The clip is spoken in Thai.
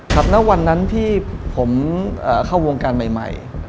ครับณวันนั้นที่ผมเข้าวงการใหม่